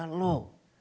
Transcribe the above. atau tidak dikutuk